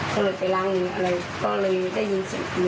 ก็เลยไปลั่งอะไรก็เลยได้ยินเสียงปืน